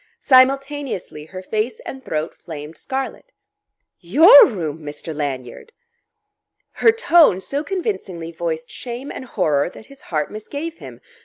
Simultaneously her face and throat flamed scarlet. "Your room, Mr. Lanyard!" Her tone so convincingly voiced shame and horror that his heart misgave him.